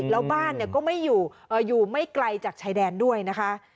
แล้วบ้านก็ไม่อยู่ไม่ไกลจากชายแดนด้วยนะคะ